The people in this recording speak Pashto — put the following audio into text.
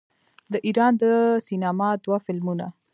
د ایران د سینما دوه فلمونه